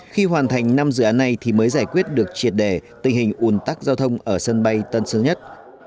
khi hoàn thành năm dự án này thì mới giải quyết được triệt đề tình hình ủn tắc giao thông ở sân bay tân sơn nhất